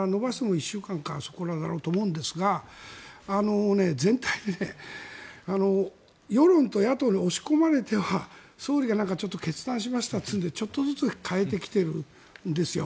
だから、延ばしても１週間かそこらだろうと思うんですが全体、世論と野党に押し込まれては総理がちょっと決断しましたというのでちょっとずつ変えてきているんですよ。